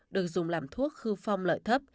được dùng làm thuốc khư phong lợi thấp